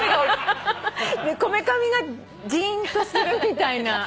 「こめかみがジーンとする」みたいな。